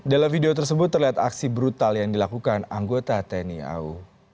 dalam video tersebut terlihat aksi brutal yang dilakukan anggota tni au